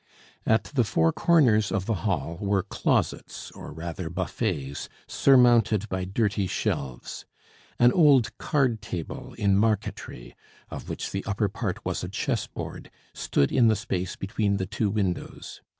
At the four corners of the hall were closets, or rather buffets, surmounted by dirty shelves. An old card table in marquetry, of which the upper part was a chess board, stood in the space between the two windows.